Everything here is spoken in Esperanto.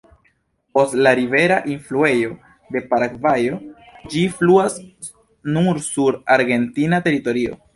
Post la rivera enfluejo de Paragvajo, ĝi fluas nur sur argentina teritorio.